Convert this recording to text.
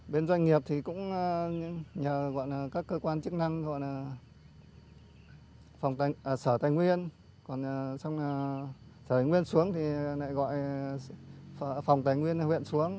bên doanh nghiệp thì cũng nhờ các cơ quan chức năng sở tài nguyên sở tài nguyên xuống thì lại gọi phòng tài nguyên huyện xuống